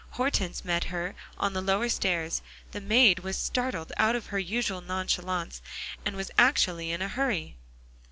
Hortense met her on the lower stairs; the maid was startled out of her usual nonchalance, and was actually in a hurry.